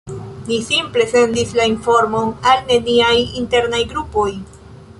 Ni simple sendis la informon al niaj "internaj" grupoj.